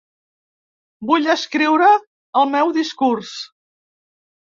Vull escriure el meu discurs.